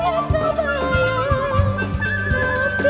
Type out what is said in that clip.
tidak semua itu berarti